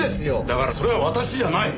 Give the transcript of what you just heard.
だからそれは私じゃない！